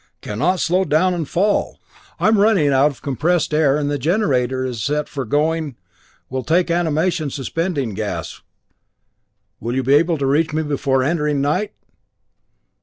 Can not slow down and fall. I am running out of compressed air and the generator for this set is going will take animation suspending gas will you be able to reach me before entering night?"